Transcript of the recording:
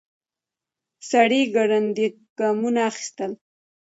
سړی ګړندي ګامونه اخيستل.